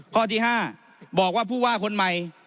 ข้อที่๕บอกว่าผู้ว่าคนใหม่